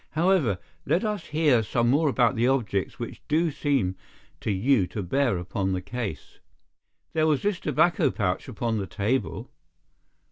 "However, let us hear some more about the objects which do seem to you to bear upon the case." "There was this tobacco pouch upon the table."